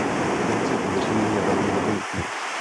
Princip měření je velmi jednoduchý.